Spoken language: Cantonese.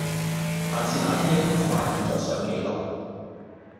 但是那天的哭法，現在想起來，